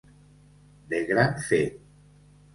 De gran fet.